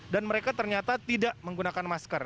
dan mereka ternyata tidak menggunakan masker